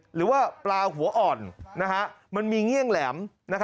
หรือว่าปลาหัวอ่อนมันมีเงี่ยงแหลม